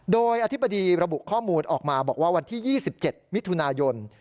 โดยอธิบดีระบุข้อมูลออกมาบอกว่าวันที่๒๗มิถุนายน